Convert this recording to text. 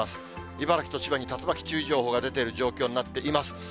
茨城と千葉に竜巻注意情報が出ている状況になっています。